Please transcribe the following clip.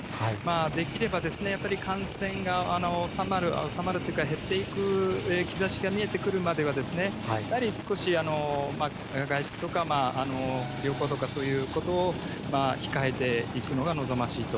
できれば、やっぱり感染が収まるというか、減っていく兆しが見えてくるまでは、やはり、少し外出とか旅行とかそういうことを控えていくのが望ましいと。